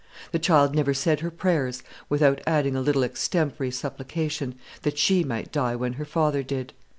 The child never said her prayers without adding a little extempore supplication, that she might die when her father died.